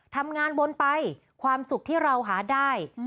ทำงานวนไปความสุขที่เราหาได้